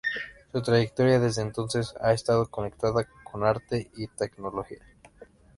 Su trayectoria desde entonces ha estado conectada con arte y tecnología.